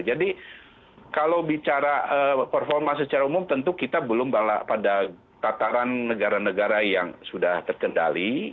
jadi kalau bicara performa secara umum tentu kita belum bala pada tataran negara negara yang sudah terkendali